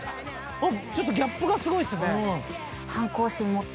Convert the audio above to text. ちょっとギャップがすごいっすね。